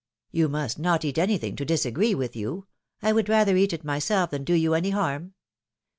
'^ ^^You must not eat anything to disagree with you; I would rather eat it myself than do you any harm.